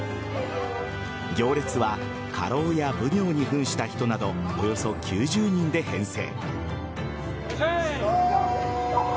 行列は家老や奉行に扮した人などおよそ９０人で編成。